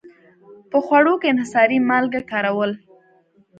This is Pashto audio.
په خوړو کې انحصاري مالګه کارول.